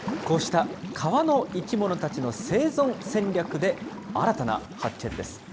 こうした川の生き物たちの生存戦略で、新たな発見です。